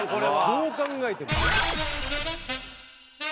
どう考えても。